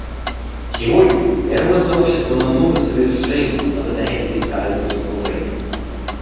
Сегодня мировое сообщество намного совершеннее благодаря их бескорыстному служению.